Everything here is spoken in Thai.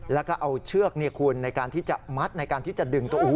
แล้วก็เอาเชือกในการที่จะมัดในการที่จะดึงตัวอู๋